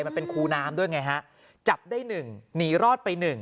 มันเป็นคูน้ำด้วยไงฮะจับได้๑หนีรอดไป๑